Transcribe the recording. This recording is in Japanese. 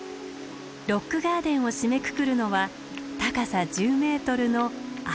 ロックガーデンを締めくくるのは高さ１０ｍの綾広の滝。